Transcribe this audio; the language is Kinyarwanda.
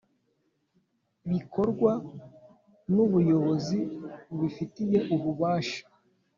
bikorwa n Ubuyobozi bubifitiye ububasha